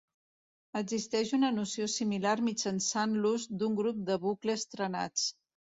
Existeix una noció similar mitjançant l'ús d'un grup de bucles trenats.